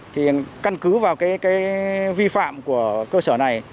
thì căn cứ vào cái vi phạm của cơ sở này